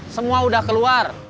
semua udah keluar